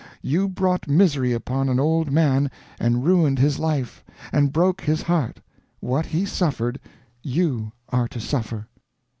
You brought misery upon an old man, and ruined his life and broke his heart. What he suffered, you are to suffer.